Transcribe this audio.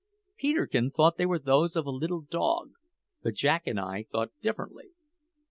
Peterkin thought they were those of a little dog, but Jack and I thought differently.